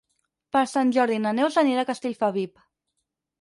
Per Sant Jordi na Neus anirà a Castellfabib.